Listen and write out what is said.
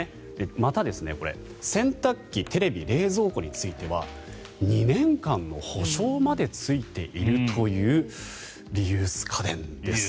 また、洗濯機、テレビ冷蔵庫については２年間の保証までついているというリユース家電です。